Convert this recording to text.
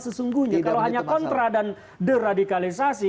sesungguhnya kalau hanya kontra dan deradikalisasi